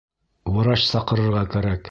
Врач саҡырырға кәрәк.